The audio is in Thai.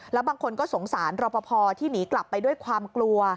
แล้วบางคนก็สงสารรอปภที่หนีกลับไปด้วยความกลัว